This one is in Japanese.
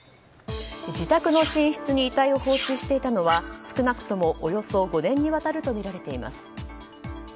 自宅の寝室に遺体を放置していたのは少なくともおよそ５年にわたるとみられています。